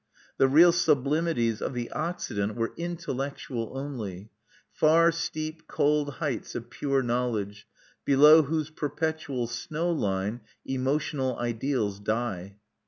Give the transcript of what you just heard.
The real sublimities of the Occident were intellectual only; far steep cold heights of pure knowledge, below whose perpetual snow line emotional ideals die.